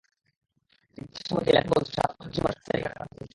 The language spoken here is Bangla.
চিকিৎসা সাময়িকী ল্যানসেট বলছে, সাত কোটির বেশি মানুষ আর্সেনিকে আক্রান্ত হচ্ছে।